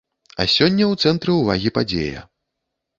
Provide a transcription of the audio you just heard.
А сёння ў цэнтры ўвагі падзея.